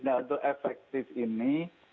nah untuk efektif ini